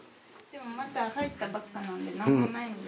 まだ入ったばっかなんで何もないんですけど。